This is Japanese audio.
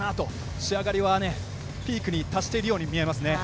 仕上がりはピークに達しているように見えます。